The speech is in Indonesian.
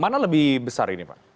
mana lebih besar ini pak